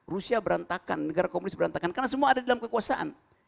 rusia berantakan negara komunis berantakan karena semua ada di dalam kekuasaan